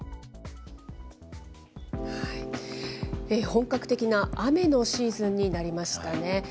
本格的な雨のシーズンになりましたね。